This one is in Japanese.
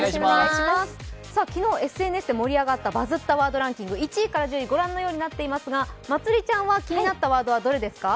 昨日、ＳＮＳで盛り上がった「バズったワードランキング」このようになっていますがまつりちゃんは気になったワードはどれですか？